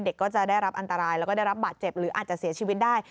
ก็จะได้รับอันตรายแล้วก็ได้รับบาดเจ็บหรืออาจจะเสียชีวิตได้